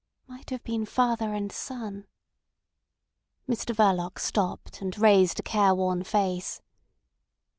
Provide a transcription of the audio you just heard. "Might have been father and son." Mr Verloc stopped, and raised a care worn face.